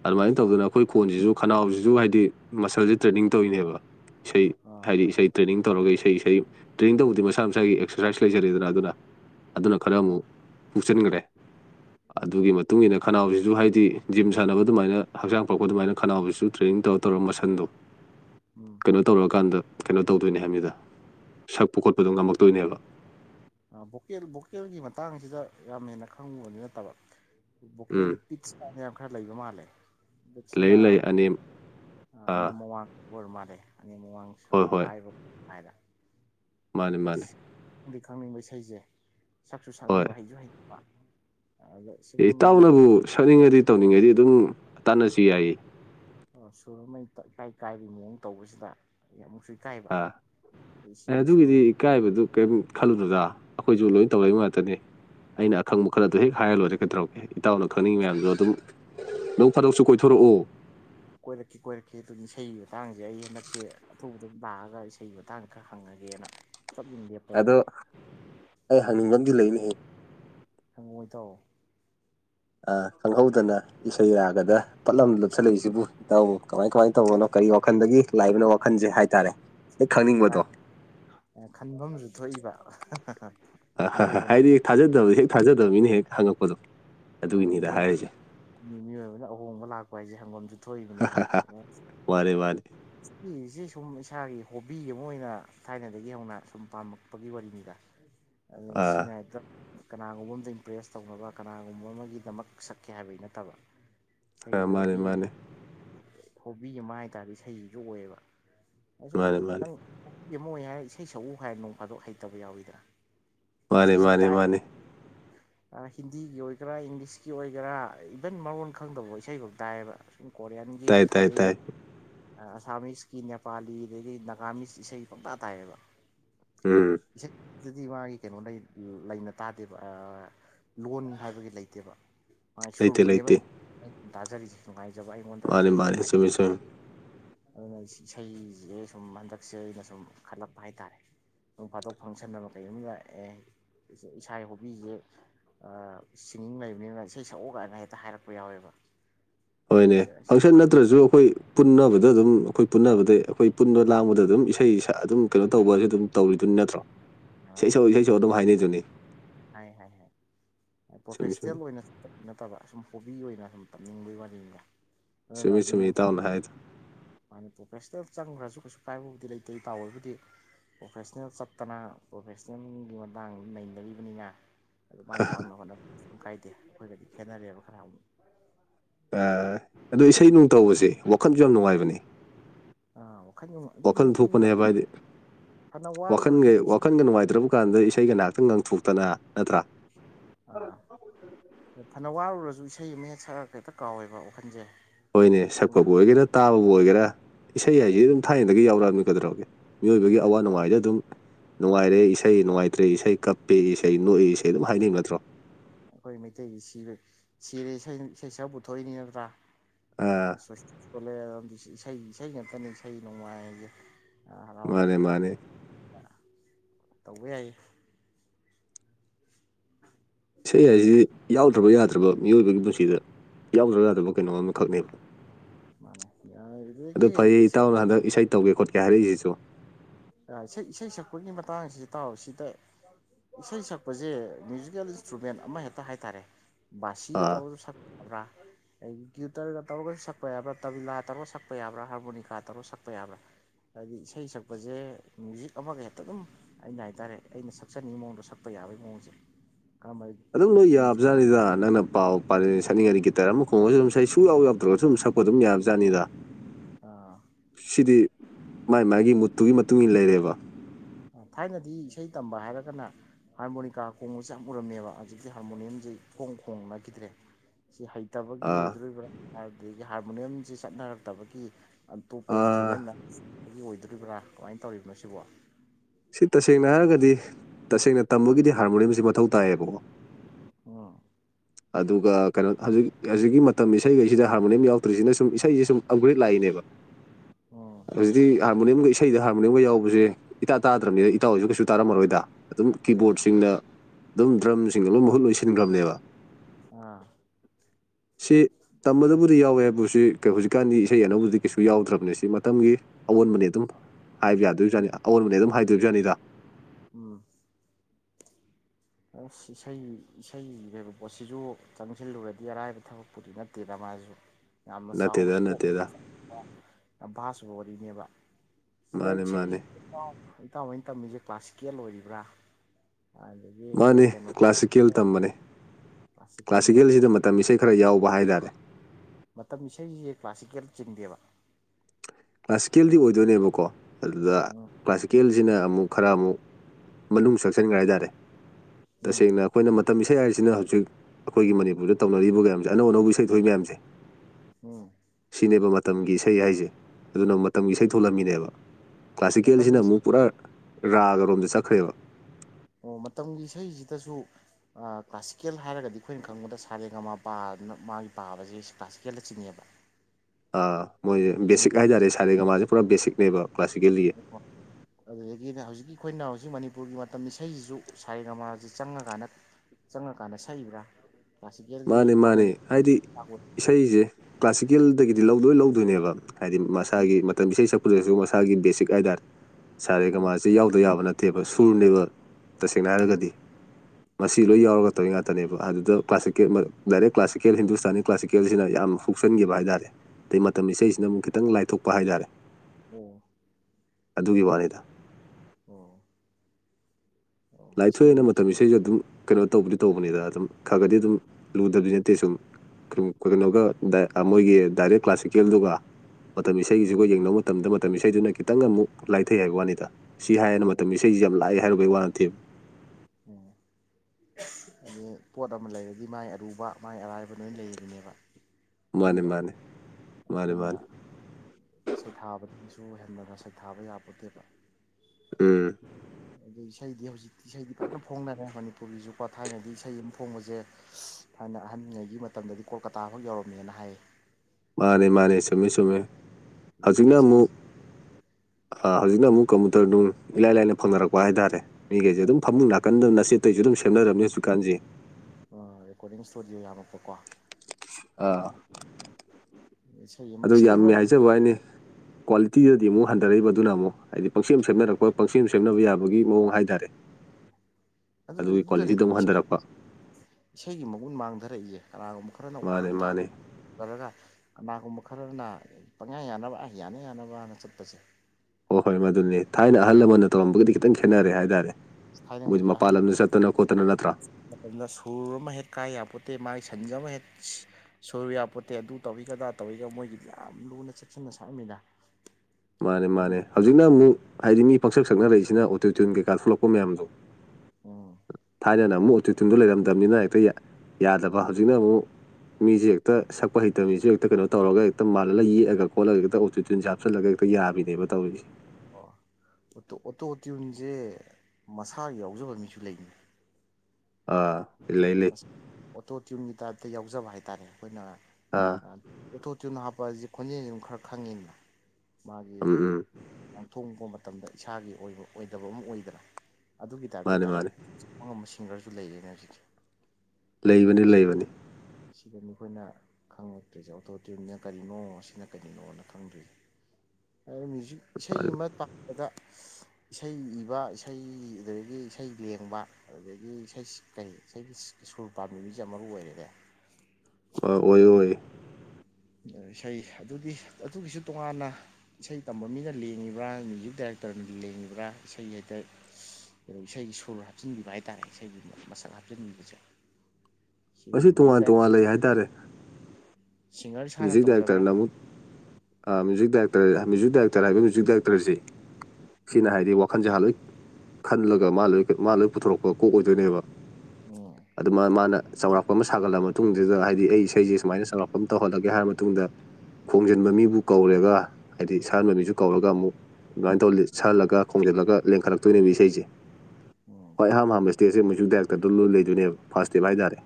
[SPEAKER 1] ꯑꯗꯨꯃꯥꯏꯅ
[SPEAKER 2] ꯑꯥ
[SPEAKER 1] ꯇꯧꯗꯅ ꯑꯩꯈꯣꯏ ꯈꯣꯟꯁꯤꯁꯨ ꯈꯅꯥꯎꯁꯤꯁꯨ ꯍꯥꯏꯗꯤ ꯃꯁꯜꯁꯖꯦ ꯇ꯭ꯔꯦꯅꯤꯡ ꯇꯧꯋꯦꯅꯦꯕ ꯏꯁꯩ
[SPEAKER 2] ꯑꯥ
[SPEAKER 1] ꯍꯥꯏꯗꯤ ꯏꯁꯩ ꯇ꯭ꯔꯦꯅꯤꯡ ꯇꯧꯔꯒ ꯏꯁꯩ ꯏꯁꯩ ꯇ꯭ꯔꯦꯅꯤꯡ ꯇꯧꯕꯗꯤ ꯃꯁꯥ ꯃꯁꯥꯒꯤ ꯑꯦꯛꯁꯔꯁꯥꯏꯁ ꯂꯩꯖꯔꯦꯗꯅ ꯑꯗꯨꯅ ꯑꯗꯨꯅ ꯈꯔ
[SPEAKER 2] ꯑ
[SPEAKER 1] ꯑꯃꯨꯛ ꯃꯨꯛꯆꯤꯟꯈ꯭ꯔꯦ
[SPEAKER 2] ꯃꯥꯅꯦ
[SPEAKER 1] ꯑꯗꯨꯒꯤ ꯃꯇꯨꯡꯏꯟꯅ ꯈꯅꯥꯎꯁꯤꯁꯨ ꯍꯥꯏꯗꯤ ꯖꯤꯝ ꯁꯥꯟꯅꯕ ꯑꯗꯨꯃꯥꯏꯅ ꯍꯛꯆꯥꯡ ꯐꯔꯛꯄ ꯑꯗꯨꯃꯥꯏꯅ ꯈꯅꯥꯎꯗꯁꯨ ꯇ꯭ꯔꯦꯅꯤꯡ ꯇꯧꯔ ꯇꯧꯔ ꯃꯁꯟꯗꯣ
[SPEAKER 2] ꯎꯝ
[SPEAKER 1] ꯀꯩꯅꯣ ꯇꯧꯔꯛꯀꯥꯟꯗ ꯀꯩꯅꯣ ꯇꯧꯗꯣꯏꯅꯦ ꯍꯥꯏꯕꯅꯤꯗ ꯁꯛꯄ ꯈꯣꯠꯄꯗꯣ ꯉꯝꯃꯛꯇꯣꯏꯅꯦꯕ
[SPEAKER 2] ꯚꯣꯀꯦꯜ ꯚꯣꯀꯦꯜꯒꯤ ꯃꯇꯥꯡꯁꯤꯗ ꯌꯥꯝ ꯍꯦꯟꯅ ꯈꯪꯉꯨꯕꯗꯤ ꯅꯠꯇꯕ ꯚꯣꯀꯦꯜ
[SPEAKER 1] ꯎꯝ
[SPEAKER 2] ꯄꯤꯛꯁ ꯃꯌꯥꯝ ꯈꯔ ꯂꯩꯕ ꯃꯥꯜꯂꯦ ꯄꯤꯛꯁ
[SPEAKER 1] ꯂꯩ
[SPEAKER 2] ꯁꯤꯅ
[SPEAKER 1] ꯂꯩ ꯑꯅꯦꯝ ꯑꯥ
[SPEAKER 2] ꯑꯅꯦꯝ ꯑꯋꯥꯡ ꯑꯣꯏꯔꯥ ꯃꯥꯜꯂꯦ ꯑꯃꯦꯝ ꯑꯋꯥꯡ ꯁꯛ
[SPEAKER 1] ꯍꯣꯏ ꯍꯣꯏ
[SPEAKER 2] ꯄꯥꯏꯕ ꯍꯥꯏꯗ
[SPEAKER 1] ꯃꯥꯅꯤ ꯃꯥꯅꯤ
[SPEAKER 2] ꯑꯁ ꯈꯪꯗꯤ ꯈꯪꯅꯤꯡꯕ ꯏꯁꯩꯁꯦ ꯁꯛꯁꯨ
[SPEAKER 1] ꯍꯣꯏ
[SPEAKER 2] ꯁꯛꯅꯤꯡꯕ ꯍꯩꯖꯨ ꯍꯩꯅꯤꯡꯕ ꯑꯗ
[SPEAKER 1] ꯑꯦ
[SPEAKER 2] ꯁꯨꯝ
[SPEAKER 1] ꯏꯇꯥꯎꯅꯪ ꯁꯛꯅꯤꯡꯉꯗꯤ ꯇꯧꯅꯤꯡꯉꯗꯤ ꯑꯗꯨꯝ ꯇꯥꯟꯅꯁꯦ ꯌꯥꯏꯌꯦ
[SPEAKER 2] ꯁꯨꯔ ꯑꯃ ꯍꯦꯛꯇ ꯏꯀꯥꯏ ꯀꯥꯏꯕꯒꯤ ꯃꯑꯣꯡ ꯇꯧꯕꯁꯤꯗ ꯑꯃꯨꯛꯁꯨ ꯏꯀꯥꯏꯕ
[SPEAKER 1] ꯑꯥ
[SPEAKER 2] ꯃꯤꯁꯤꯒꯤ ꯁꯣꯔꯒꯤ
[SPEAKER 1] ꯀꯔꯤꯝ ꯈꯜꯂꯨꯅꯨꯗ ꯑꯩꯈꯣꯏꯁꯨ ꯂꯣꯏ ꯇꯧꯔꯛꯏꯕ ꯉꯥꯛꯇꯅꯤ ꯑꯩꯅ ꯑꯈꯪꯕ ꯈꯔ ꯑꯗꯨ ꯍꯦꯛ ꯍꯥꯏꯔ ꯂꯣꯏꯔꯦ ꯀꯩꯗꯧꯔꯒꯦ ꯏꯇꯥꯎꯅ ꯈꯪꯅꯤꯡꯉꯤ ꯃꯌꯥꯝꯗꯣ ꯑꯗꯨꯝ ꯅꫭꯡ ꯐꯥꯗꯣꯛꯁꯨ ꯀꯣꯏꯊꯣꯔꯛꯎ
[SPEAKER 2] ꯀꯣꯏꯔꯛꯀꯦ ꯀꯣꯏꯔꯛꯀꯦ ꯑꯗꯨꯅꯤ ꯏꯁꯩꯒꯤ ꯃꯇꯥꯡꯁꯦ ꯑꯩ ꯍꯟꯗꯛꯁꯦ ꯑꯊꯨꯕꯗ ꯗꯨꯝ ꯂꯥꯛꯑꯒ ꯏꯁꯩꯒꯤ ꯃꯇꯥꯡꯗ ꯈꯔ ꯍꯪꯉꯒꯦꯅ ꯁ ꯏꯟꯗꯤꯌꯥ
[SPEAKER 1] ꯑꯗꯣ ꯑꯩ ꯍꯪꯅꯤꯡꯕ ꯑꯝꯗꯤ ꯂꯩꯅꯦꯍꯦ
[SPEAKER 2] ꯍꯪꯉꫭ ꯏꯇꯥꯎ
[SPEAKER 1] ꯑ ꯈꯪꯍꯧꯗꯅ ꯏꯁꯩ ꯔꯥꯒꯗ ꯐꯠ ꯂꯥꯎꯅ ꯂꯨꯞꯁꯤꯜꯂꯛꯏꯁꯤꯕꯨ ꯏꯇꯥꯎꯕꯨ ꯀꯃꯥꯏ ꯀꯃꯥꯏ ꯇꯧꯕꯅꯣ ꯀꯔꯤ ꯋꯥꯈꯜꯗꯒꯤ ꯂꯥꯛꯏꯕꯅꯣ ꯋꯥꯈꯟꯁꯦ ꯍꯥꯏꯇꯥꯔꯦ ꯍꯦꯛ
[SPEAKER 2] ꯋꯥꯏ
[SPEAKER 1] ꯈꯪꯅꯤꯡꯕꯗꯣ
[SPEAKER 2] ꯈꯟꯚꯝꯖꯨ ꯊꯣꯛꯏꯕ ꯍꯥ ꯍꯥ ꯍꯥ
[SPEAKER 1] ꯑ ꯍ ꯍ ꯍꯥꯏꯗꯤ ꯊꯥꯖꯗꯕ ꯍꯦꯛ ꯊꯥꯖꯗꯕ ꯃꯤꯅ ꯍꯦꯛ ꯍꯪꯉꯛꯄꯗꯣ
[SPEAKER 2] ꯃꯥꯅꯦ
[SPEAKER 1] ꯑꯗꯨꯒꯤꯅꯤꯗ ꯍꯥꯏꯔꯤꯁꯦ
[SPEAKER 2] ꯃꯤꯑꯣꯏꯕꯅ ꯑꯍꯣꯡꯕ ꯂꯥꯛꯄ ꯍꯥꯏꯖꯦ ꯍꯪꯕꯝꯁꯨ ꯊꯣꯛꯏꯕꯅꯦꯕ
[SPEAKER 1] ꯃꯥꯅꯦ ꯃꯥꯅꯦ
[SPEAKER 2] (inaudible) ꯁꯤꯒꯤꯁꯤ ꯁꯨꯝ ꯏꯁꯥꯒꯤ ꯍꯣꯕꯤ ꯑꯃ ꯑꯣꯏꯅ ꯊꯥꯏꯅꯗꯒꯤ ꯍꯧꯅ ꯁꯨꯝ ꯄꯥꯝꯃꯛꯄꯒꯤ ꯋꯥꯔꯤꯅꯤꯗ ꯑꯗꯨꯅ
[SPEAKER 1] ꯑꯥ
[SPEAKER 2] ꯁꯤꯅ ꯍꯦꯛꯇ ꯀꯅꯥꯒꯨꯝꯕ ꯑꯃꯝꯇꯪ ꯏꯝꯄ꯭ꯔꯦꯁ ꯇꯧꯅꯕ ꯀꯅꯥꯒꯨꯝꯕ ꯒꯨꯝꯕ ꯑꯃꯒꯤꯗꯃꯛ ꯁꯛꯀꯦ ꯍꯥꯏꯕꯒꯤ ꯅꯠꯇꯕ ꯏꯁꯩꯁꯦ
[SPEAKER 1] ꯃꯥꯅꯦ
[SPEAKER 2] ꯍꯣꯕꯤ
[SPEAKER 1] ꯃꯥꯅꯦ
[SPEAKER 2] ꯍꯣꯕꯤ ꯑꯃ ꯍꯥꯏꯇꯥꯥꯔꯗꯤ ꯏꯁꯩꯁꯤꯁꯨ ꯑꯣꯏꯌꯦꯕ ꯑꯁꯨꯝ
[SPEAKER 1] ꯃꯥꯅꯦ ꯃꯥꯅꯦ
[SPEAKER 2] ꯅꯪ ꯍꯣꯕꯤ ꯑꯃ ꯑꯣꯏ ꯍꯥꯏꯔꯦ ꯏꯁꯩ ꯁꯛꯎ ꯍꯥꯏꯔꯦ ꯅꯣꯡ ꯐꯥꯗꯣꯛ ꯍꯩꯇꯕ ꯌꯥꯎꯏꯗꯥꯅ
[SPEAKER 1] ꯃꯥꯅꯦ
[SPEAKER 2] ꯏꯁꯩ ꯁꯤꯗꯤ
[SPEAKER 1] ꯃꯥꯅꯦ
[SPEAKER 2] ꯇꯥꯏ,
[SPEAKER 1] ꯃꯥꯅꯦ
[SPEAKER 2] ꯑ ꯍꯤꯟꯗꯤꯒꯤ ꯑꯣꯏ ꯑꯣꯏꯒꯦꯔꯥ ꯏꯪꯂꯤꯁꯀꯤ ꯑꯣꯏꯒꯦꯔꯥ ꯏꯕꯟ ꯃꯔꯣꯟ ꯈꯪꯗꯧꯕ ꯏꯁꯩꯐꯧ ꯇꯥꯏꯌꯦꯕ ꯀꯣꯔꯤꯌꯥꯟꯒꯤ ꯑꯗꯨ
[SPEAKER 1] ꯇꯥꯏ ꯇꯥꯏ
[SPEAKER 2] ꯊꯥꯏꯂꯦꯟ
[SPEAKER 1] ꯇꯥꯏ
[SPEAKER 2] ꯑ ꯑꯁꯥꯃꯤꯁ ꯀꯤ ꯅꯦꯄꯥꯂꯤ ꯑꯗꯒꯤ ꯅꯥꯒꯥꯃꯤꯁ ꯏꯁꯩ ꯄꯪꯇꯥ ꯇꯥꯏꯌꯦꯕ
[SPEAKER 1] ꯎꯝ
[SPEAKER 2] ꯏꯁꯛꯇꯗꯤ ꯃꯥꯒꯤ ꯀꯩꯅꯣ ꯂꯩ ꯂꯩꯅ ꯇꯥꯗꯦꯕ ꯂꯣꯟ ꯍꯥꯏꯕꯒꯤ ꯂꯩꯇꯦꯕ ꯃꯥꯥꯏ
[SPEAKER 1] ꯂꯩꯇꯦ
[SPEAKER 2] ꯁꯨꯔꯗꯨꯅꯦꯕ
[SPEAKER 1] ꯂꯩꯇꯦ
[SPEAKER 2] ꯑꯩꯅ ꯇꯥꯖꯔꯤꯁꯦ ꯅꯨꯡꯉꯥꯏꯖꯕ ꯑꯩꯉꯣꯟꯗ
[SPEAKER 1] ꯃꯥꯅꯦ
[SPEAKER 2] ꯁꯨꯝ
[SPEAKER 1] ꯃꯥꯅꯦ
[SPEAKER 2] ꯅꯨꯡꯉꯥꯏ
[SPEAKER 1] ꯆꯨꯝꯃꯤ ꯆꯨꯝꯃꯤ
[SPEAKER 2] (unintelligible) ꯑꯗꯨꯅ ꯏꯁꯩꯁꯦ ꯁꯨꯝ ꯍꯟꯗꯛꯁꯦ ꯑꯩꯅ ꯁꯨꯝ ꯈꯠꯂꯛꯄ ꯍꯥꯏꯇꯥꯔꯦ ꯅꯣꯡ ꯐꯥꯗꯣꯛ ꯐꯪꯁꯟ ꯑꯃ ꯀꯩ ꯑꯃꯝ ꯂꯥꯛꯑꯦ ꯏꯁꯥꯒꯤ ꯍꯣꯕꯤꯁꯦ ꯑ ꯁꯤꯡꯅꯤꯡ ꯂꯩꯕꯅꯤꯅ ꯏꯁꯩ ꯁꯛꯎ ꯀꯥꯏꯅꯒ ꯍꯦꯛꯇ ꯍꯥꯏꯔꯛꯄ ꯌꯥꯎꯋꯦꯕ
[SPEAKER 1] ꯍꯣꯏꯅꯦ
[SPEAKER 2] ꯑꯁ ꯑꯁ
[SPEAKER 1] ꯐꯪꯁꯟ ꯅꯠꯇ꯭ꯔꯁꯨ ꯑꯩꯈꯣꯏ ꯄꯨꯟꯅꯕꯗ ꯑꯗꯨꯝ ꯑꯩꯈꯣꯏ ꯄꯨꯟꯅꯕꯗ ꯑꯩꯈꯣꯏ ꯄꯨꯟꯕ ꯂꯥꯡꯕꯗ ꯑꯗꯨꯝ ꯏꯁꯩ ꯁꯦ ꯑꯗꯨꯝ ꯀꯩꯅꯣ ꯇꯧꯕꯁꯦ ꯑꯗꯨꯝ ꯇꯧꯔꯤꯗꯨꯅꯤ ꯅꯠꯇ꯭ꯔꯣ
[SPEAKER 2] (inaudible)
[SPEAKER 1] ꯏꯁꯩ ꯁꯛ ꯑꯣ ꯏꯁꯩ ꯁꯛ ꯑꯣ ꯑꯗꯨꯝ ꯍꯥꯏꯅꯩꯗꯨꯅꯤ
[SPEAKER 2] ꯍꯥꯏ ꯍꯥꯏ ꯍꯥꯏ
[SPEAKER 1] ꯁꯨꯝ ꯁꯨꯝ
[SPEAKER 2] ꯄ꯭ꯔꯣꯐꯦꯁꯅꯦꯜ ꯑꯣꯏꯅ (unintelligible) ꯄꯗꯤ ꯅꯠꯇꯕ ꯁꯁꯨꯝ ꯍꯣꯕꯤ ꯑꯣꯏꯅ ꯁꯨꯝ ꯇꯝꯅꯤꯡꯕꯒꯤ ꯋꯥꯔꯤꯅꯤꯗ ꯑꯗꯨꯅ
[SPEAKER 1] ꯆꯨꯝꯃꯤ ꯆꯨꯝꯃꯤ
[SPEAKER 2] ꯅꯤꯌꯣꯝ ꯆ
[SPEAKER 1] ꯏꯇꯥꯎꯅ ꯍꯥꯏꯗꯣ
[SPEAKER 2] ꯃꯥꯅꯦ ꯄꯣꯐꯦꯁꯇꯜ ꯆꯪꯈ꯭ꯔꯁꯨ ꯀꯩꯁꯨ ꯀꯥꯏꯕꯕꯨꯗꯤ ꯂꯩꯇꯦ ꯇꯥꯎꯋꯦꯕꯨꯗꯤ ꯄ꯭ꯔꯣꯐꯦꯁꯅꯦꯜ ꯆꯠꯇꯅ ꯄ꯭ꯔꯣꯐꯦꯁꯅꯦꯜꯒꯤ ꯃꯇꯥꯡꯗ ꯅꯩꯅꯔꯤꯕ ꯑꯗꯨꯅꯤꯅ ꯑꯗꯨ ꯃꯥꯏꯅ ꯄꯥꯛꯅꯕ ꯍꯣꯠꯅꯕ ꯀꯩꯁꯨꯝ ꯀꯥꯏꯗꯦ ꯑꯩꯈꯣꯏꯒꯗꯤ ꯈꯦꯠꯅꯔꯦꯕ ꯈꯔ ꯑꯃꯨꯛ
[SPEAKER 1] ꯑ ꯑꯗꯣ ꯏꯁꯩ ꯅꯨꯡ ꯇꯧꯕꯁꯦ ꯋꯥꯈꯟꯁꯨ ꯌꯥꯝ ꯅꯨꯡꯉꯥꯏꯕꯅꯦ
[SPEAKER 2] ꯑꯥ ꯋꯥꯈꯜ ꯅꯨꯡꯉꯥꯏ ꯑꯗꯨꯅꯦ
[SPEAKER 1] ꯋꯥꯈꯜ
[SPEAKER 2] ꯅꯨꯡꯉꯥꯏ
[SPEAKER 1] ꯊꯣꯛꯄꯅꯦꯕ ꯍꯥꯏꯗꯤ
[SPEAKER 2] ꯐꯅ
[SPEAKER 1] ꯋꯥꯈꯟꯒ
[SPEAKER 2] ꯋꯥꯔꯨꯔꯁꯨ
[SPEAKER 1] ꯋꯥꯈꯟꯒ ꯅꯨꯡꯉꯥꯏꯇ꯭ꯔꯕꯨ ꯀꯥꯟꯗ ꯏꯁꯩꯒꯅꯥꯍꯥꯛꯇꯪ ꯉꯪꯊꯣꯛꯇꯅ ꯅꯠꯇ꯭ꯔꯥ
[SPEAKER 2] ꯑꯥ ꯐꯅ ꯋꯥꯔꯨꯔꯁꯨ ꯏꯁꯩ ꯑꯃꯍꯦꯛ ꯁꯛꯑꯒ ꯍꯦꯛꯇ ꯀꯥꯎꯋꯦꯕ ꯋꯥꯈꯜꯁꯦ
[SPEAKER 1] ꯍꯣꯏꯅꯦ ꯁꯛꯄꯕꯨ ꯑꯣꯏꯒꯦꯔꯥ ꯇꯥꯕꯕꯨ ꯑꯣꯏꯒꯦꯔꯥ ꯏꯁꯩ ꯍꯥꯏꯁꯤꯗꯤ
[SPEAKER 2] ꯑꯗꯨ
[SPEAKER 1] ꯑꯗꯨꯝ ꯊꯥꯏꯅꯗꯒꯤ ꯌꯥꯎꯔꯛꯑꯕꯅꯦ ꯀꯩꯗꯧꯗ꯭ꯔꯒꯦ ꯃꯤꯑꯣꯏꯕꯒꯤ ꯑꯋꯥ
[SPEAKER 2] ꯃꯥꯅꯦ
[SPEAKER 1] ꯅꯨꯡꯉꯥꯏꯗ ꯑꯗꯨꯝ ꯅꯨꯡꯉꯥꯏꯔꯦ ꯏꯁꯩ ꯅꯨꯡꯉꯥꯏꯇ꯭ꯔꯦ ꯏꯁꯩ ꯀꯞꯄꯦ ꯏꯁꯩ ꯅꯣꯛꯏ ꯏꯁꯩ ꯑꯗꯨꯝ ꯍꯥꯏꯅꯩ ꯅꯠꯇ꯭ꯔꯣ
[SPEAKER 2] ꯑꯩꯈꯣꯏ ꯃꯩꯇꯩꯒꯤ ꯁꯤꯔ ꯁꯤꯔꯦ ꯏꯁꯩ ꯏꯁꯩ ꯁꯛꯑ ꯄꯨꯊꯣꯛꯏꯅꯤ ꯅꯠꯇ꯭ꯔꯥ
[SPEAKER 1] ꯑꯥ
[SPEAKER 2] ꯑ ꯁꯋꯥꯁ (unintelligible) ꯔꯣꯝꯗꯁꯨ ꯏꯁꯩꯒꯤ ꯏꯁꯩ ꯉꯥꯛꯇꯅꯤ ꯏꯁꯩ ꯅꯣꯡꯃꯥꯏ ꯍꯥꯏꯁꯦ ꯑ ꯍꯔꯥꯎ
[SPEAKER 1] ꯃꯥꯅꯦ
[SPEAKER 2] ꯅꯨꯡꯉꯥꯏ
[SPEAKER 1] ꯃꯥꯅꯦ
[SPEAKER 2] (unintelligible) ꯅ ꯇꯧꯕ ꯌꯥꯏꯌꯦ (unintelligible)
[SPEAKER 1] ꯏꯁꯩ ꯍꯥꯏꯁꯤꯗꯤ ꯌꯥꯎꯗ꯭ꯔꯕ ꯌꯥꯗ꯭ꯔꯕ ꯃꯤꯑꯣꯏꯕꯒꯤ ꯄꯨꯟꯁꯤꯗ ꯌꯥꯎꯗ꯭ꯔꯕ ꯌꯥꯗꯕ ꯀꯩꯅꯣ ꯑꯃꯈꯛꯅꯦꯕ
[SPEAKER 2] ꯃꯥꯅꯦ ꯌꯥꯝꯅ
[SPEAKER 1] ꯑꯗꯨ
[SPEAKER 2] ꯍꯩꯖꯤꯛꯀꯤ
[SPEAKER 1] ꯐꯩꯌꯦ
[SPEAKER 2] ꯁꯛ
[SPEAKER 1] ꯏꯇꯥꯎꯅ ꯍꯟꯗꯛ ꯏꯁꯩ ꯇꯧꯒꯦ ꯈꯣꯠꯀꯦ ꯍꯥꯏꯔꯛꯏꯁꯤꯁꯨ
[SPEAKER 2] ꯑ ꯏꯁꯩ ꯏꯁꯩ ꯁꯛꯄꯒꯤ ꯃꯇꯥꯡꯁꯤ ꯢꯇꯥꯎꯑꯣ ꯁꯤꯗ ꯏꯁꯩ ꯁꯛꯄꯁꯦ ꯃ꯭ꯌꯨꯖꯤꯀꯦꯜ ꯏꯟꯁꯇ꯭ꯔꯨꯃꯦꯟ ꯑꯃꯍꯦꯛꯇ ꯍꯥꯏꯇꯥꯔꯦ ꯕꯥꯁꯤꯒ
[SPEAKER 1] ꯑꯥ
[SPEAKER 2] ꯇꯧꯔꯒ ꯁꯛꯄ꯭ꯔꯥ ꯑꯩ ꯒꯤꯇꯔꯒ ꯇꯧꯔꯒ ꯁꯛꯄ ꯌꯥꯕ꯭ꯔꯥ ꯇꯕꯤꯂꯥ ꯇꯧꯔꯒ ꯁꯛꯄ ꯌꯥꯕ꯭ꯔꯥ ꯍꯥꯔꯃꯣꯅꯤꯀꯥ ꯇꯧꯔꯒ ꯁꯛꯄ ꯌꯥꯕ꯭ꯔꯥ ꯍꯥꯏꯗꯤ ꯏꯁꯩ ꯁꯛꯄꯁꯦ ꯃ꯭ꯌꯨꯖꯤꯛ ꯑꯃꯒ ꯍꯦꯛꯇ ꯑꯗꯨꯝ ꯑꯩꯅ ꯍꯥꯏꯇꯥꯔꯦ ꯑꯩꯅ ꯁꯛꯆꯅꯤꯡꯉꯤ ꯃꯑꯣꯡꯗꯣ ꯁꯛꯄ ꯌꯥꯕꯒꯤ ꯃꯑꯣꯡꯁꯦ ꯀꯔꯝꯕ
[SPEAKER 1] ꯑꯗꯨꯝ ꯂꯣꯏ
[SPEAKER 2] ꯃ꯭ꯌꯨꯖꯤꯛ
[SPEAKER 1] ꯌꯥꯕꯖꯥꯠꯅꯤꯗ ꯅꯪꯅ ꯄꯥꯎ ꯄꯥꯔꯤꯉꯩ ꯁꯛꯅꯤꯡꯉꯗꯤ ꯒꯤꯇꯔ ꯃ ꯈꯣꯡꯉꯒꯁꯨ ꯑꯗꯨꯝ ꯁꯨꯛ ꯌꯥꯎ ꯌꯥꯎꯗ꯭ꯔꯒꯁꯨ ꯑꯗꯨꯝ ꯁꯛꯄ ꯑꯗꯨꯝ ꯌꯥꯕꯖꯥꯠꯅꯤꯗ ꯁꯤꯗꯤ ꯃꯥꯏ ꯃꯥꯒꯤ ꯃꯨꯠꯇꯨꯒꯤ ꯃꯇꯨꯡ ꯏꯟꯅ ꯂꯩꯔꯦꯕ
[SPEAKER 2] ꯊꯥꯏꯅꯗꯤ ꯏꯁꯩ ꯇꯝꯕ ꯍꯥꯏꯔꯒꯅ ꯍꯥꯔꯃꯣꯅꯤꯀꯥ ꯈꯣꯡꯕꯁꯦ ꯌꯥꯝ ꯎꯔꯝꯃꯦꯕ ꯍꯧꯖꯤꯛꯇꯤ ꯍꯥꯔꯃꯣꯅꯤꯌꯝꯁꯦ ꯏꯈꯣꯡ ꯈꯣꯡꯅꯒꯤꯗ꯭ꯔꯦ ꯁꯤ ꯍꯩꯇꯕꯒꯤ
[SPEAKER 1] ꯑꯥ
[SPEAKER 2] ꯑꯣꯏꯗꯣꯔꯤꯕ꯭ꯔꯥ ꯍꯥꯏꯕꯗꯤ ꯍꯥꯔꯃꯣꯅꯤꯌꯝꯁꯤ ꯆꯠꯅꯔꯛꯇꯕꯒꯤ ꯑꯇꯣꯞꯄ ꯏꯟꯁꯇ꯭ꯨꯔ
[SPEAKER 1] ꯑꯥ
[SPEAKER 2] ꯇ꯭ꯔꯨꯃꯦꯟꯅꯒꯤ ꯑꯣꯏꯗꯨꯔꯤꯕ꯭ꯔꯥ ꯀꯃꯥꯏꯅ ꯇꯧꯔꯤꯕꯅꯣ ꯁꯤꯕꯣ
[SPEAKER 1] ꯁꯤ ꯇꯁꯦꯡꯅ ꯍꯥꯏꯔꯒꯗꯤ ꯇꯁꯦꯡꯅ ꯇꯝꯕꯒꯤꯗꯤ ꯍꯥꯔꯃꯣꯅꯤꯌꯝꯁꯤ ꯃꯊꯧ ꯇꯥꯏꯌꯦꯕꯀꯣ
[SPEAKER 2] ꯎꯝ
[SPEAKER 1] ꯑꯗꯨꯒ ꯀꯩꯅꯣ ꯍꯧꯖꯤꯛꯀꯤ ꯃꯠ ꯃꯇꯝ ꯏꯁꯩꯩ ꯒꯩꯁꯤꯗ ꯍꯔꯃꯣꯅꯤꯌꯝ ꯌꯥꯎꯗ꯭ꯔꯤꯁꯤꯅ ꯁꯨꯝ ꯏꯁꯩꯁꯦ ꯁꯨꯝ ꯑꯞꯒ꯭ꯔꯦꯗ ꯂꯥꯛꯏꯅꯦꯕ
[SPEAKER 2] ꯎꯝ
[SPEAKER 1] ꯍꯧꯖꯤꯛꯇꯤ ꯍꯥꯔꯃꯣꯅꯤꯌꯝꯒ ꯏꯁꯩꯗ ꯍꯥꯔꯃꯣꯅꯤꯌꯝꯒ ꯌꯥꯎꯕꯁꯦ ꯏꯇꯥ ꯇꯥꯗ꯭ꯔꯕꯅꯤꯅ ꯏꯇꯥꯎꯁꯨ ꯀꯩꯁꯨ ꯇꯥꯔꯝꯃꯔꯣꯏꯗ ꯑꯗꯨꯝ ꯀꯤꯕꯣꯔꯗꯁꯤꯡꯅ ꯑꯗꯨꯝ ꯗ꯭ꯔꯝꯁꯤꯡꯒ ꯂꯣꯏ ꯃꯍꯨꯠ ꯂꯣꯏꯁꯤꯟꯈ꯭ꯔꯕꯅꯦꯕ
[SPEAKER 2] ꯑꯥ
[SPEAKER 1] ꯁꯤ ꯇꯝꯕꯗꯕꯨꯗꯤ ꯌꯥꯎꯑꯦ ꯍꯥꯏꯕꯨ ꯁꯤ ꯀ ꯍꯧꯖꯤꯛꯀꯥꯟꯗꯤ ꯏꯁꯩ ꯑꯅꯧꯕꯗꯤ ꯀꯩꯁꯨ ꯌꯥꯎꯗ꯭ꯔꯕꯅꯤ ꯁꯤ ꯃꯇꯝꯒꯤ ꯑꯑꯣꯟꯕꯅꯤ ꯑꯗꯨꯝ ꯍꯥꯏꯕ ꯌꯥꯗꯣꯏꯖꯥꯠꯅꯤ ꯑꯋꯣꯟꯕꯅꯤ ꯑꯗꯨꯝ ꯍꯥꯏꯗꯣꯏꯔꯤꯕꯖꯥꯠꯅꯤꯗ
[SPEAKER 2] ꯎꯝ ꯑꯁ ꯏꯁꯩ ꯏꯁꯩ ꯂꯩꯕ ꯄꯣꯠꯁꯤꯁꯨ ꯆꯪꯁꯤꯜꯂꯨꯔꯗꯤ ꯑꯔꯥꯏꯕ ꯊꯕꯛ ꯄꯨꯗꯤ ꯅꯠꯇꯦꯗ ꯃꯥꯁꯨ ꯌꯥꯝꯅ ꯆꯥꯎꯕ
[SPEAKER 1] ꯅꯠꯇꯦꯗ
[SPEAKER 2] ꯏꯁꯀꯣꯛ
[SPEAKER 1] ꯅꯠꯇꯦꯗ
[SPEAKER 2] ꯌꯥꯝ ꯚꯁꯕ ꯑꯣꯏꯕ ꯋꯥꯔꯤꯅꯦꯕ ꯁꯤꯗ
[SPEAKER 1] ꯃꯥꯅꯤ ꯃꯥꯅꯤ
[SPEAKER 2] ꯏꯁꯩꯁꯤ ꯏꯇꯥꯎꯍꯣꯢꯅ ꯇꯝꯃꯤꯁꯦ ꯀ꯭ꯂꯥꯁꯤꯀꯦꯜ ꯑꯣꯏꯔꯤꯕ꯭ꯔꯥ ꯑꯗꯒꯤ
[SPEAKER 1] ꯃꯥꯅꯤ
[SPEAKER 2] ꯀꯩꯅꯣ
[SPEAKER 1] ꯀ꯭ꯂꯥꯁꯤꯀꯦꯜ ꯇꯝꯕꯅꯤ
[SPEAKER 2] ꯀ꯭ꯂꯥꯁꯤꯀꯦꯜꯅꯦꯕꯀꯣ
[SPEAKER 1] ꯀ꯭ꯂꯥꯁꯤꯀꯦꯜꯁꯤꯗ ꯃꯇꯝ ꯏꯁꯩ ꯈꯔ ꯌꯥꯎꯕ ꯍꯥꯏ ꯇꯔꯦ
[SPEAKER 2] ꯃꯇꯝ ꯏꯁꯩꯁꯦ ꯀ꯭ꯂꯥꯁꯤꯀꯦꯜ ꯆꯤꯡꯗꯦꯕ
[SPEAKER 1] ꯀ꯭ꯂꯥꯁꯤꯀꯦꯜꯗꯤ ꯑꯣꯏꯗꯣꯏꯅꯦꯕꯀꯣ ꯑꯗꯨꯗ
[SPEAKER 2] ꯎꯝ
[SPEAKER 1] ꯀ꯭ꯂꯥ ꯀꯦꯜꯁꯤꯅ ꯑꯃꯨꯛ ꯈꯔ ꯑꯃꯨꯛ ꯃꯅꯨꯡ ꯆꯡꯁꯤꯟꯒ꯭ꯔꯦ ꯍꯥꯏꯇꯥꯔꯦ
[SPEAKER 2] ꯎꯝ
[SPEAKER 1] ꯇꯁꯦꯡꯅ ꯑꯩꯈꯣꯏꯅ ꯃꯇꯝ ꯏꯁꯩ ꯍꯥꯏꯔꯤꯁꯤꯅ ꯍꯧꯖꯤꯛ ꯑꯩꯈꯣꯏꯒꯤ ꯃꯅꯤꯄꯨꯔꯗ ꯇꯧꯅꯔꯤꯕ ꯃꯌꯥꯝꯁꯦ ꯑꯅꯧ ꯑꯅꯧꯕ ꯢꯁꯩꯊꯣꯛꯢꯃꯌꯥꯝꯁꯦ
[SPEAKER 2] ꯑꯝ
[SPEAKER 1] ꯁꯤꯅꯦꯕ ꯃꯇꯝꯒꯤ ꯏꯁꯩ ꯍꯥꯏꯁꯦ ꯑꯗꯨꯅ ꯃꯇꯝꯒꯤ ꯏꯁꯩ ꯊꯣꯛꯂꯝꯃꯤꯅꯦꯕ
[SPEAKER 2] ꯃꯇꯝ
[SPEAKER 1] ꯀ꯭ꯂꯥꯁꯤꯀꯦꯜꯁꯤꯅ ꯑꯃꯨꯛ ꯄꯨꯔꯥ ꯔꯥꯒ ꯔꯣꯝꯗ ꯆꯠꯈ꯭ꯔꯦꯕ
[SPEAKER 2] ꯑꯣ ꯃꯇꯝꯒꯤ ꯏꯁꯩꯁꯤꯗꯁꯨ ꯑꯥ ꯀ꯭ꯂꯥꯁꯤꯀꯦꯜ ꯍꯥꯏꯔꯒꯗꯤ ꯑꯩꯈꯣꯏꯅ ꯈꯪꯕꯗ ꯁꯥꯔꯦ ꯒ ꯃꯥ ꯄꯥ ꯗꯨꯅ ꯃꯥꯒꯤ ꯄꯥꯕꯁꯦ ꯀ꯭ꯂꯥꯁꯤꯀꯦꯜꯗ ꯆꯤꯡꯉꯦꯕ
[SPEAKER 1] ꯃꯣꯏꯁꯦ ꯕꯦꯁꯤꯛ ꯍꯥꯏꯇꯥꯥꯔꯦ ꯁꯥꯥꯔꯦ ꯒ ꯃꯥꯁꯦ ꯄꯨꯔꯥ ꯕꯦꯁꯤꯛꯅꯦꯕ ꯀ꯭ꯂꯥꯁꯤꯀꯦꯜꯂꯤ
[SPEAKER 2] ꯋꯥ ꯑꯗꯨꯗꯒꯤꯅ ꯍꯧꯖꯤꯛꯀꯤ ꯑꯩꯈꯣꯏꯅ ꯍꯧꯖꯤꯛ ꯃꯅꯤꯄꯨꯔꯒꯤ ꯃꯇꯝ ꯏꯁꯩꯁꯤꯁꯨ ꯁꯥꯔꯦ ꯒ ꯃꯥꯁꯤ ꯆꯪꯉꯀꯥꯟꯗ ꯆꯪꯉꯀꯥꯟꯗ ꯁꯛꯏꯕ꯭ꯔꯥ ꯀ꯭ꯂꯥꯁꯤꯀꯦꯜꯒꯤ
[SPEAKER 1] ꯃꯥꯅꯦ ꯃꯥꯅꯦ
[SPEAKER 2] ꯃꯉꯣꯟꯗꯒꯤ
[SPEAKER 1] ꯍꯥꯏꯗꯤ ꯏꯁꯩꯁꯦ ꯀ꯭ꯂꯥꯁꯤꯀꯦꯜꯗꯒꯤꯗꯤ ꯂꯧꯗꯣꯏ ꯂꯣꯏ ꯂꯧꯗꯣꯏꯅꯦꯕ ꯍꯥꯏꯗꯤ
[SPEAKER 2] ꯎꯝ
[SPEAKER 1] ꯃꯁꯥꯒꯤ ꯃꯇꯝ ꯏꯁꯩ ꯁꯛꯄ ꯁꯨ ꯃꯁꯥꯒꯤ ꯕꯦꯁꯤꯛ ꯍꯥꯏꯇꯥꯔꯦ ꯁꯥꯔꯦ ꯒ
[SPEAKER 2] ꯎꯝ
[SPEAKER 1] ꯃꯥꯥꯁꯤ ꯌꯥꯎꯗꯕ ꯌꯥꯕ ꯅꯠ ꯇꯦꯕ ꯁꯨꯔꯅꯦꯕ ꯇꯁꯦꯡꯅ ꯍꯥꯏꯔꯒꯗꯤ ꯃꯁꯤ
[SPEAKER 2] ꯎꯝ ꯎꯝ
[SPEAKER 1] ꯂꯣꯏ ꯌꯥꯎꯔꯒ ꯇꯧꯔꯤ ꯉꯥꯛꯇꯅꯦꯕ ꯑꯗꯨꯗ ꯀ꯭ꯂꯥꯁꯤꯛ ꯗꯥꯏꯔꯦꯛ ꯀ꯭ꯂꯥꯁꯤꯀꯦꯜ ꯍꯤꯟꯗꯨꯁꯇꯥꯅꯤ ꯀ꯭ꯂꯥꯁꯤꯀꯦꯜꯁꯤꯅ ꯌꯥꯝ ꯍꯨꯆꯟꯈꯤꯕ ꯍꯥꯏꯇꯥꯥꯔꯦ ꯑꯗꯩ ꯃꯇꯝ ꯏꯁꯩꯁꯤꯅ ꯑꯃꯨꯛ ꯈꯤꯇꯪ ꯂꯥꯏꯊꯣꯛꯄ ꯍꯥꯏꯇꯥꯔꯦ
[SPEAKER 2] ꯑꯣ
[SPEAKER 1] ꯑꯗꯨꯒꯤ ꯋꯥꯅꯤꯗ
[SPEAKER 2] ꯑꯣ ꯑꯣ
[SPEAKER 1] ꯂꯥꯏꯊꯣꯛꯑꯦꯅ
[SPEAKER 2] ꯏꯁꯩ
[SPEAKER 1] ꯃꯇꯝ ꯏꯁꯩꯁꯨ ꯑꯗꯨꯝ ꯀꯩꯅꯣ ꯇꯧꯕꯗꯤ- ꯇꯧꯕꯅꯤꯗ ꯑꯗꯨꯝ ꯈ ꯈꯗꯤ ꯑꯗꯨꯝ ꯂꯨꯗꯕꯗꯤ ꯅꯠꯇꯦ ꯁꯨꯝ ꯀꯩꯅꯣ-ꯀꯩꯅꯣꯒ ꯃꯣꯏꯒꯤ ꯗꯥꯏꯔꯦꯛ ꯀ꯭ꯂꯥꯁꯤꯀꯦꯜꯗꯨꯒ ꯃꯇꯝ
[SPEAKER 2] ꯑꯣ ꯑꯣ
[SPEAKER 1] ꯏꯁꯩꯒꯤꯁꯤꯒ ꯌꯦꯡꯅꯕ ꯃꯇꯝꯗ ꯃꯇꯝ ꯏꯁꯩꯗꯨꯅ ꯈꯤꯇꯪ ꯑꯃꯨꯛ ꯂꯥꯏꯊꯩ ꯍꯥꯏꯕ ꯋꯥꯅꯤꯗ ꯁꯤ ꯍꯥꯏꯌꯦꯅ ꯃꯇꯝ ꯏꯁꯩꯁꯤ ꯌꯥꯝ ꯂꯥꯏ ꯍꯥꯏꯔꯨꯕꯩ ꯋꯥ ꯅꯠꯇꯦꯕ
[SPEAKER 2] ꯑꯣ ꯍꯥꯏꯗꯤ ꯄꯣꯠ ꯑꯃ ꯂꯩꯔꯗꯤ ꯃꯥꯏ ꯑꯔꯨꯕ ꯃꯥꯏ ꯑꯔꯥꯏꯕ ꯂꯣꯏ ꯂꯩꯔꯤꯕꯅꯦꯕ
[SPEAKER 1] ꯃꯥꯅꯦ
[SPEAKER 2] ꯃꯒꯨꯟꯗꯣ
[SPEAKER 1] ꯃꯥꯅꯦ ꯃꯥꯅꯦ
[SPEAKER 2] ꯑꯩꯈꯣꯏꯅ
[SPEAKER 1] ꯃꯥꯅꯦ
[SPEAKER 2] ꯁꯩꯊꯥꯕꯗꯁꯨ ꯍꯦꯟꯅꯒ ꯁꯩꯊꯥꯕ ꯌꯥꯄꯣꯠꯇꯦꯕ
[SPEAKER 1] ꯎꯎꯝ
[SPEAKER 2] ꯑꯗꯨ ꯏꯁꯩꯗꯤ ꯍꯧꯖꯤꯛꯇꯤ ꯏꯁꯩꯗꯤ ꯐꯖꯅ ꯐꯣꯡꯅꯔꯦ ꯃꯅꯤꯄꯨꯔꯒꯤꯖꯨ ꯀꯣ ꯊꯥꯏꯅꯗꯤ ꯏꯁꯩ ꯑꯃ ꯐꯣꯡꯕꯁꯦ ꯏꯆ ꯊꯥꯢꯅ ꯑꯍꯟꯉꯩꯒꯤ ꯃꯇꯝꯗꯗꯤ ꯀꯣꯜꯀꯇꯥꯐꯥꯎ ꯌꯧꯔꯝꯃꯦꯅ ꯍꯥꯏꯌꯦ
[SPEAKER 1] ꯃꯥꯅꯦ
[SPEAKER 2] ꯃ꯭ꯌꯨꯖꯤꯛꯀꯤ
[SPEAKER 1] ꯃꯥꯅꯦ ꯆꯨꯝꯃꯦ ꯆꯨꯝꯃꯦ
[SPEAKER 2] ꯑꯗꯒꯤ
[SPEAKER 1] ꯍꯧꯖꯤꯛꯅ
[SPEAKER 2] ꯏꯁꯩ
[SPEAKER 1] ꯑꯃꯨꯛ ꯑꯥ ꯍꯧꯖꯤꯛꯅ ꯑꯃꯨꯛ ꯀꯝꯄꯨꯇꯔ ꯅꯨꯡ ꯏꯂꯥꯏ- ꯂꯥꯏꯅ ꯐꯪꯅꯔꯛꯄ ꯍꯥꯏꯇꯥꯥꯔꯦ ꯃꯤꯒꯩꯖꯦ ꯑꯗꯨꯝ ꯐꯃꯨꯡꯗ ꯀꯟꯗꯅ ꯅꯆꯦꯛꯇꯩꯁꯨ ꯑꯗꯨꯝ ꯁꯦꯝꯅꯔꯕꯅꯤ ꯍꯧꯖꯤꯛꯀꯥꯟꯖꯦ
[SPEAKER 2] ꯑꯥꯑ ꯔꯦꯀꯣꯔꯗꯤꯡ ꯏꯁꯇꯨꯗꯤꯑꯣ ꯌꯥꯝꯃꯛꯄꯀꯣ
[SPEAKER 1] ꯑꯥꯑ
[SPEAKER 2] INAUDIBLE
[SPEAKER 1] ꯑꯗꯣ ꯌꯥꯝꯃꯤ ꯍꯥꯏꯖꯕ ꯍꯥꯏꯅꯤ ꯀ꯭ꯋꯥꯂꯤꯇꯤꯗꯗꯤ ꯑꯃꯨꯛ ꯍꯟꯊꯔꯛꯏꯕ ꯑꯗꯨꯅ ꯑꯃꯨꯛ ꯍꯥꯏꯗꯤ ꯄꯪꯁꯦꯝ-ꯁꯦꯝꯅꯔꯛꯄ ꯄꯪꯁꯦꯝ- ꯁꯦꯝꯅꯕ ꯌꯥꯕꯒꯤ ꯃꯑꯣꯡ ꯍꯥꯏꯇꯥꯔꯦ ꯑꯗꯨꯒꯤ ꯀ꯭ꯋꯥꯂꯤꯇꯤꯗ ꯑꯃꯨꯛ ꯍꯟꯊꯔꯛꯄ
[SPEAKER 2] UNINTELLIGIBLE ꯏꯁꯩꯒꯤ ꯃꯒꯨꯟ ꯃꯥꯡꯊꯔꯛꯏꯖꯦ ꯀꯅꯥꯒꯨꯝꯕ ꯈꯔꯅ
[SPEAKER 1] ꯃꯥꯅꯦ
[SPEAKER 2] ꯋꯥꯡꯅ ꯊꯥꯛ
[SPEAKER 1] ꯃꯥꯅꯦ
[SPEAKER 2] ꯎꯔꯨꯔꯒ ꯀꯅꯥꯒꯨꯝꯕ ꯈꯔꯅ ꯄꯪꯌꯥ- ꯌꯥꯅꯕ ꯑꯦ ꯌꯥꯅ ꯌꯥꯅꯕꯅ ꯆꯠꯄꯖꯦ
[SPEAKER 1] ꯍꯣꯏ ꯍꯣꯏ ꯃꯗꯨꯅꯤ ꯊꯥꯏꯅ ꯑꯍꯜ ꯂꯃꯟꯅ ꯇꯧꯔꯝꯕꯒꯗꯤ ꯈꯤꯇꯪ ꯈꯦꯠꯅꯔꯦ ꯍꯥꯏꯇꯥꯔꯦ ꯃꯣꯏꯗꯤ
[SPEAKER 2] ꯊꯥꯏꯅꯉꯩꯒꯤ ꯑꯍꯟ
[SPEAKER 1] ꯃꯄꯥꯟ ꯂꯝꯗ ꯆꯠꯇꯅ- ꯈꯣꯠꯇꯅ ꯅꯠꯇ꯭ꯔꯥ
[SPEAKER 2] ꯃꯇꯝꯗ ꯁꯨꯔ ꯑꯃ ꯍꯦꯛ ꯀꯥꯏ ꯌꯥꯄꯣꯠꯇꯦ ꯃꯥꯒꯤ ꯁꯟꯖ ꯑꯃ ꯍꯦꯛ ꯁꯣꯏꯔꯨ ꯌꯥꯄꯣꯠꯇꯦ ꯑꯗꯨ ꯇꯧꯏꯒ-ꯑꯗꯥ ꯇꯧꯏꯒ ꯃꯣꯏꯒꯤ ꯌꯥꯝ ꯂꯨꯅ ꯆꯦꯛꯁꯤꯟꯅ ꯁꯛꯑꯝꯃꯤꯗ
[SPEAKER 1] ꯃꯥꯅꯦꯃꯥꯅꯦ
[SPEAKER 2] ꯑꯗꯨꯅ
[SPEAKER 1] ꯍꯧꯖꯤꯛꯅ ꯑꯃꯨꯛ ꯍꯥꯏꯗꯤ ꯃꯤ ꯄꯪꯁꯛ ꯁꯛꯅꯔꯛꯏꯁꯤꯅ ꯑꯣꯇꯣ ꯇ꯭ꯌꯨꯟ ꯀꯩꯀꯥ ꯊꯣꯛꯂꯛꯄ ꯃꯌꯥꯝꯗꯣ
[SPEAKER 2] ꯎꯝ
[SPEAKER 1] ꯊꯥꯏꯅꯅ ꯑꯃꯨꯛ ꯑꯣꯇꯣꯇ꯭ꯨꯌꯟ ꯂꯩꯔꯝꯗꯕꯅꯤꯅ ꯍꯦꯛꯇ ꯌꯥꯗꯕ
[SPEAKER 2] ꯃꯥꯅꯦ
[SPEAKER 1] ꯍꯧꯖꯤꯛꯅ ꯑꯃꯨꯛ ꯃꯤꯖꯦ ꯍꯦꯛꯇ ꯁꯛꯄ ꯍꯩꯇꯕ ꯃꯤꯖꯨ ꯀꯩꯅꯣ ꯇꯧꯔꯒ ꯍꯦꯛꯇ ꯃꯥꯜꯂꯒ ꯌꯦꯛꯑꯒ ꯈꯣꯠꯂꯒ ꯍꯦꯛꯇ ꯑꯣꯇꯣ ꯇ꯭ꯌꯨꯟ ꯍꯥꯞꯆꯜꯂꯒ ꯌꯥꯕꯤꯅꯦꯕ ꯇꯧꯔꯤꯖꯦ
[SPEAKER 2] ꯑꯣ ꯑꯣ ꯑꯣꯇꯣ ꯇ꯭ꯌꯨꯟꯖꯦ ꯃꯁꯥꯒꯤ ꯌꯥꯎꯖꯕ ꯃꯤꯖꯨ ꯂꯩꯅꯤ
[SPEAKER 1] ꯑꯥ ꯂꯩ ꯂꯩ
[SPEAKER 2] ꯑꯣꯇꯣ ꯇ꯭ꯌꯨꯟꯒꯤ ꯇꯥꯏꯞꯇ ꯌꯥꯎꯖꯕ ꯍꯥꯏ ꯇꯥꯔꯦ ꯑꯩꯈꯣꯏꯅ
[SPEAKER 1] ꯑꯥꯑ
[SPEAKER 2] ꯑꯣꯇꯣꯇ꯭ꯨꯌꯟ ꯍꯥꯞꯄ ꯍꯥꯏꯖꯤ ꯈꯣꯟꯖꯦꯜꯁꯤ ꯈꯔ ꯈꯪꯉꯤꯅ ꯃꯥꯒꯤ
[SPEAKER 1] ꯎꯝ ꯎꯝ
[SPEAKER 2] ꯉꯪꯊꯣꯔꯛꯄ ꯃꯇꯝꯗ ꯏꯁꯥꯒꯤ ꯑꯣꯏꯕ ꯑꯣꯏꯗꯕ ꯑꯃ ꯑꯣꯏꯗꯅ ꯑꯗꯨꯒꯤ ꯇꯥꯏꯞꯇ
[SPEAKER 1] ꯃꯥꯅꯤ
[SPEAKER 2] ꯗꯥꯏꯔꯦꯛ
[SPEAKER 1] ꯃꯥꯅꯤ
[SPEAKER 2] ꯑꯉꯝꯕ ꯁꯤꯡꯒꯔꯁꯨ ꯂꯩꯔꯅ ꯍꯧꯖꯤꯛꯁꯦ
[SPEAKER 1] ꯂꯩꯕꯅꯤ ꯂꯩꯕꯅꯤ
[SPEAKER 2] ꯁꯤꯗꯅꯤ ꯑꯩꯈꯣꯏꯅ ꯈꯪꯉꯛꯇ꯭ꯔꯤꯖꯦ ꯑꯣꯇꯣ ꯇ꯭ꯌꯨꯟꯅ ꯀꯔꯤꯅꯣ ꯁꯤꯅ ꯀꯔꯤꯅꯣꯅ ꯈꯪꯗ꯭ꯔꯤꯖꯦ ꯃ꯭ꯌꯨꯖꯤꯛ ꯏꯁꯩ
[SPEAKER 1] ꯃꯥꯅꯤ
[SPEAKER 2] ꯑꯃ ꯇꯥꯛ ꯄꯗ ꯏꯁꯩꯏꯕ ꯏꯁꯩ ꯑꯗꯒꯤ ꯏꯁꯩꯂꯦꯡꯕ ꯑꯗꯒꯤ ꯏꯁꯩ ꯀꯔꯤ ꯏꯁꯩꯒꯤ ꯁꯨꯔ ꯄꯥꯟꯕ ꯃꯤꯁꯤ ꯌꯥꯝ ꯃꯔꯨ ꯑꯣꯏꯔꯦꯅꯦ
[SPEAKER 1] ꯑꯥ ꯑꯣꯏꯑꯦ ꯑꯣꯏꯑꯦ
[SPEAKER 2] ꯏꯁꯩ ꯑꯗꯨꯗꯤ ꯑꯗꯨꯒꯤꯁꯨ ꯇꯣꯉꯥꯟꯅ ꯏꯁꯩ ꯇꯝꯕ ꯃꯤꯅ ꯂꯦꯡꯉꯤꯕ꯭ꯔꯥ ꯃ꯭ꯌꯨꯖꯤꯛ ꯗꯥꯏꯔꯦꯛꯇꯔꯅ ꯂꯦꯡꯉꯤꯕ꯭ꯔꯥ ꯏꯁꯩ ꯍꯦꯛꯇ ꯀꯩꯅꯣ ꯏꯁꯩꯒꯤ ꯁꯨꯔ ꯍꯥꯞꯆꯤꯟꯕꯤꯕ ꯍꯥꯏ ꯇꯥꯔꯦ ꯏꯁꯩꯒꯤ ꯃꯁꯛ ꯍꯥꯞꯆꯤꯟꯕꯤꯕꯁꯦ ꯁꯤ
[SPEAKER 1] ꯃꯁꯤ
[SPEAKER 2] ꯃ꯭ꯌꯨꯖꯤꯛ
[SPEAKER 1] ꯇꯣꯉꯥꯟ
[SPEAKER 2] ꯗꯥꯏꯔꯦꯛ
[SPEAKER 1] ꯇꯣꯉꯥꯟ ꯂꯩ ꯍꯥꯏꯇꯥꯔꯦ
[SPEAKER 2] ꯁꯤꯡꯒꯔ ꯏꯁꯥꯅ
[SPEAKER 1] ꯃ꯭ꯌꯨꯖꯤꯛ
[SPEAKER 2] ꯇꯧꯖꯕ꯭ꯔꯥ
[SPEAKER 1] ꯗꯥꯏꯔꯦꯛꯇꯔꯅ ꯑꯃꯨꯠ ꯃ꯭ꯌꯨꯖꯤꯛ ꯗꯥꯔꯛꯇꯔ ꯃ꯭ꯌꯨꯖꯤꯛ ꯗꯥꯏꯔꯦꯛꯇꯔ ꯍꯥꯏꯕ ꯃ꯭ꯌꯨꯖꯤꯛ ꯗꯥꯏꯔꯦꯛꯇꯔꯁꯤ ꯁꯤꯅ
[SPEAKER 2] ꯎꯝ
[SPEAKER 1] ꯍꯥꯏꯗꯤ ꯋꯥꯈꯜꯁꯦꯍꯥꯟ ꯂꯣꯏ ꯈꯜꯂꯒ ꯃꯥ ꯂꯣꯏ ꯃꯥ ꯂꯣꯏ ꯄꯨꯊꯣꯔꯛꯄ ꯀꯣꯛ ꯑꯣꯏꯗꯣꯏꯅꯦꯕ
[SPEAKER 2] ꯎꯝ
[SPEAKER 1] ꯑꯗꯨ ꯃꯥ ꯃꯥꯅ ꯆꯥꯎꯔꯥꯛꯄ ꯑꯃ ꯁꯥꯒꯠꯂ ꯃꯇꯨꯡꯁꯤꯗ ꯍꯥꯏꯗꯤ ꯑꯩ ꯏꯁꯩꯁꯦ ꯁꯨꯃꯥꯏꯅ ꯆꯥꯎꯔꯥꯛꯄ ꯇꯧꯍꯜꯂꯒꯦ ꯍꯥꯏꯔ ꯃꯇꯨꯡꯗ ꯈꯣꯡꯖꯤꯟꯕ ꯃꯤꯕꯨ ꯀꯧꯔꯦꯒ ꯍꯥꯏꯗꯤ ꯁꯛꯍꯟꯕ ꯃꯤꯁꯨ ꯀꯧꯔꯒ ꯑꯃꯨꯛ ꯑꯗꯨꯃꯥꯏꯅ ꯇꯧ ꯁꯛꯍꯜꯂꯒ ꯈꯣꯡꯖꯤꯜꯂꯒ ꯂꯦꯡꯈꯠꯂꯛꯇꯣꯏꯅꯦꯕ ꯏꯁꯩꯁꯦ
[SPEAKER 2] ꯎꯝ
[SPEAKER 1] ꯍꯣꯏ ꯑꯍꯥꯝ ꯍꯥꯟꯕ ꯏꯁꯇꯦꯞꯁꯦ ꯃ꯭ꯌꯨꯖꯤꯛ ꯗꯥꯏꯔꯦꯛꯇꯔ ꯂꯣꯏ ꯂꯩꯏꯗꯣꯏꯅꯦ ꯐꯔꯁ ꯏꯁꯇꯦꯞ ꯍꯥꯏꯇꯥꯔꯦ